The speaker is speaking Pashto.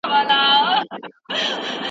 ځکه چې دا اسانه ده.